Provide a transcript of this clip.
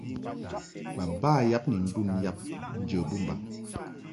Baba yab ni ndun yab njə bɨmbaŋ.